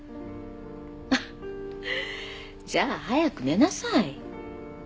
アハッじゃあ早く寝なさい。